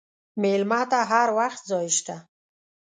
مېلمه ته هر وخت ځای شته.